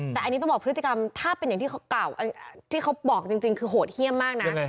แต่อันนี้ต้องบอกพฤติกรรมถ้าเป็นอย่างที่เขาบอกจริงคือโหดเยี่ยมมากนะ